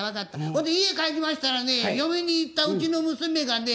ほんで家帰りましたらね嫁に行ったうちの娘がね